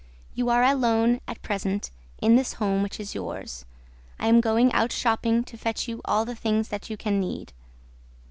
You are alone, at present, in this home which is yours. I am going out shopping to fetch you all the things that you can need.'